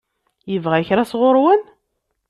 Yebɣa kra sɣur-wen?